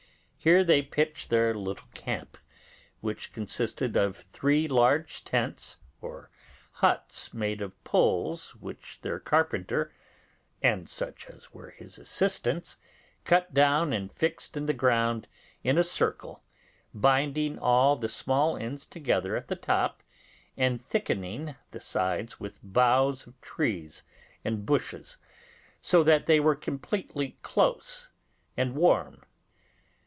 Here they pitched their little camp—which consisted of three large tents or huts made of poles which their carpenter, and such as were his assistants, cut down and fixed in the ground in a circle, binding all the small ends together at the top and thickening the sides with boughs of trees and bushes, so that they were completely close and warm.